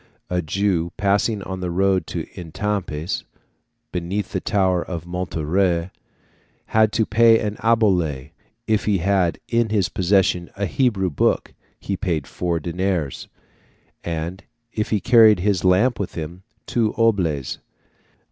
A Jew, passing on the road of Etampes, beneath the tower of Montlhéry, had to pay an obole; if he had in his possession a Hebrew book, he paid four deniers; and, if he carried his lamp with him, two oboles.